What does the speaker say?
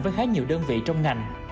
với khá nhiều đơn vị trong ngành